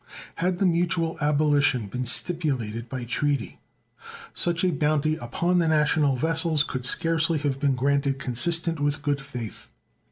Had the mutual abolition been stipulated by treaty, such a bounty upon the national vessels could scarcely have been granted consistent with good faith.